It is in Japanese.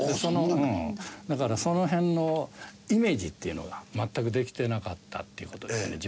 だからその辺のイメージっていうのが全くできてなかったっていう事ですね